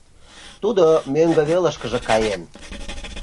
— Тудо мӧҥгӧ велышкыже каен.